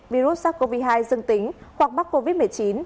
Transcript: virus sars cov hai dương tính hoặc mắc covid một mươi chín